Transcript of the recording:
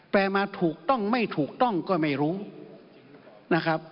มาถูกต้องไม่ถูกต้องก็ไม่รู้นะครับ